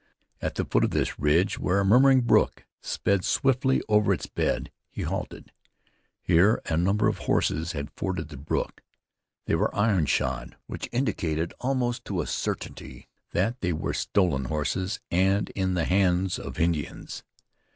At the foot of this ridge, where a murmuring brook sped softly over its bed, he halted. Here a number of horses had forded the brook. They were iron shod, which indicated almost to a certainty, that they were stolen horses, and in the hands of Indians.